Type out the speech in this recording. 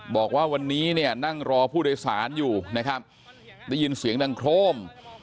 บอกว่าวันนี้นั่งรอผู้โดยสารอยู่ได้ยินเสียงดังโครม